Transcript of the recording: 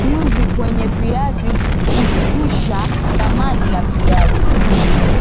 nyuzi nyuzi kwenye viazi hushusha thamani ya viazi